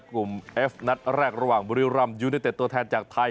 กลุ่มเอฟนัดแรกระหว่างบริรามยูเน็ตเน็ตตัวแทนจากไทย